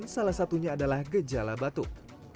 salah satunya adalah gejala batuk